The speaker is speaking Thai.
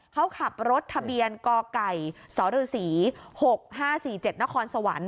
เขาขับรถทะเบียนกไก่สรศรี๖๕๔๗นครสวรรค์